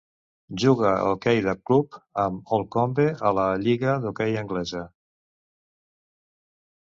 Juga a hoquei de club amb Holcombe a la lliga d'hoquei anglesa.